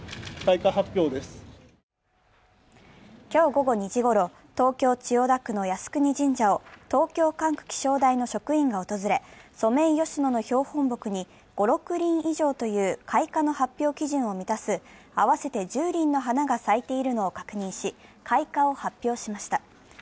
今日午後２時ごろ、東京・千代田区の靖国神社を東京管区気象台の職員が訪れ、ソメイヨシノの標本木に５６輪以上という、開花の発表基準を満たす合わせて１０輪の花が咲いているのを確認し、開花を発表しました。